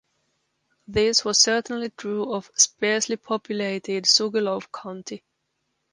This was certainly true of sparsely populated Sugar Loaf County.